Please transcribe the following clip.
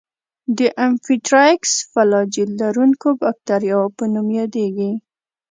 د امفيټرایکس فلاجیل لرونکو باکتریاوو په نوم یادیږي.